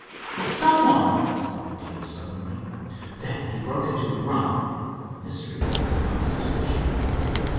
"Someone!" spoke Dave, suddenly. Then he broke into a run. Mystery had become suspicion.